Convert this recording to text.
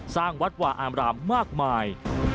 สร้างวัดวาอามรามมากมาย